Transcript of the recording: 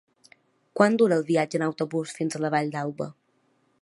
Quant dura el viatge en autobús fins a la Vall d'Alba?